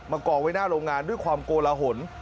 กองไว้หน้าโรงงานด้วยความโกลหน